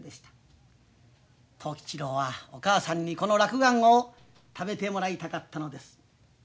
藤吉郎はお母さんにこの落雁を食べてもらいたかったのです。